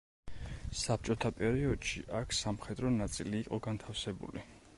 საბჭოთა პერიოდში აქ სამხედრო ნაწილი იყო განთავსებული.